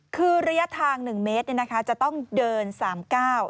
คือระยะทาง๑เมตรจะต้องเดิน๓เก้า